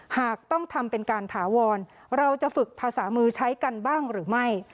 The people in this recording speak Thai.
หากต้องทำเป็นการถาวรเราจะฝึกภาษามือใช้กันบ้างหรือไม่